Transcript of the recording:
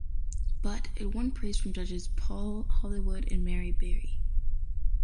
But, it won praise from judges Paul Hollywood and Mary Berry.